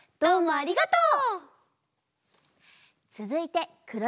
ありがとう！